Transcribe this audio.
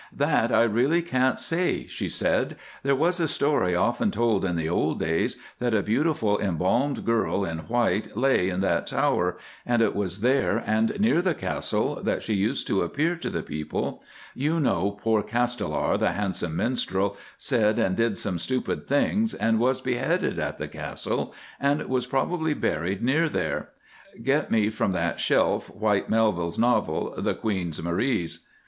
"That I really can't say," she said. "There was a story often told in the old days that a beautiful embalmed girl in white lay in that tower, and it was there and near the Castle that she used to appear to the people. You know poor Castelar, the handsome minstrel, said and did some stupid things, and was beheaded at the Castle, and was probably buried near there. Get me from that shelf Whyte Melville's novel, 'The Queen's Maries.